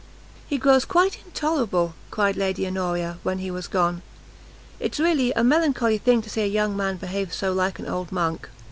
"He grows quite intolerable!" cried Lady Honoria, when he was gone; "it's really a melancholy thing to see a young man behave so like an old Monk.